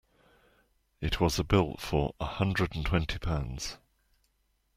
It was a bill for a hundred and twenty pounds.